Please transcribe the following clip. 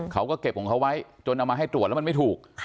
เขาก็เก็บของเขาไว้จนเอามาให้ตรวจแล้วมันไม่ถูก